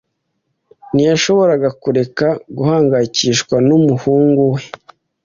Ntiyashoboraga kureka guhangayikishwa n'umuhungu we.